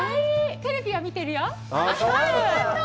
テレビは見てるよ。